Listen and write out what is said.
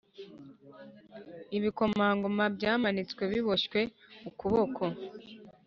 Ibikomangoma byamanitswe biboshywe ukuboko